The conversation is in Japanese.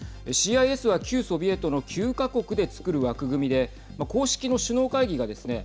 ＣＩＳは旧ソビエトの９か国でつくる枠組みで公式の首脳会議がですね